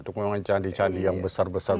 itu memang candi candi yang besar besar